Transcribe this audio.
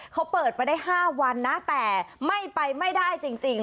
เขาเปิดไปได้๕วันนะแต่ไม่ไปไม่ได้จริง